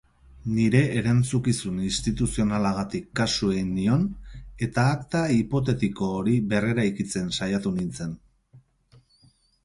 Nire erantzukizun instituzionalagatik kasu egin nion eta akta hipotetiko hori berreraikitzen saiatu nintzen.